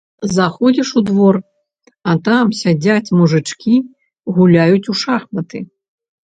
Заходзіш у двор, а там сядзяць мужычкі, гуляюць у шахматы.